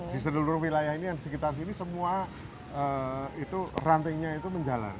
di seluruh wilayah ini yang di sekitar sini semua itu rantingnya itu menjalan